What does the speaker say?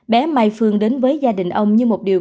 bé mai phương đến với gia đình ông như một điều